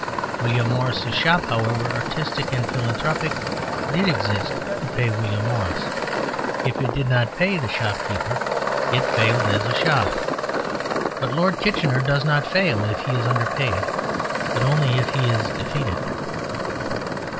William Morris's shop, however artistic and philanthropic, did exist to pay William Morris. If it did not pay the shopkeeper it failed as a shop; but Lord Kitchener does not fail if he is underpaid, but only if he is defeated.